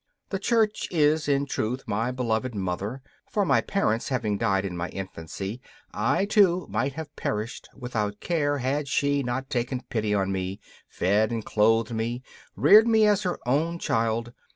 The Church is, in truth, my beloved mother, for, my parents having died in my infancy I, too, might have perished without care had she not taken pity on me, fed and clothed me and reared me as her own child.